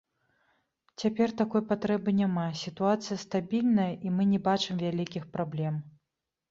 Цяпер такой патрэбы няма, сітуацыя стабільная, і мы не бачым вялікіх праблем.